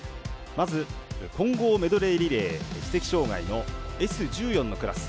まず、混合メドレーリレー知的障がいのＳ１４のクラス。